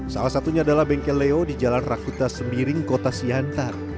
salah satunya adalah bengkel leo di jalan rakuta sembiring kota siantar